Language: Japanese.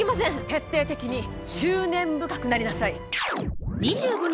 徹底的に執念深くなりなさい。